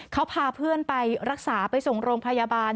เขาพาเพื่อนไปรักษาไปส่งโรงพยาบาล